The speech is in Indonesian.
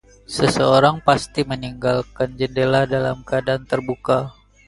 Seseorang pasti meninggalkan jendela dalam keadaan terbuka.